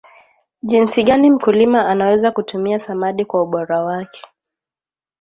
jinsi gani mkulima anaweza kutumia samadi kwa ubora wake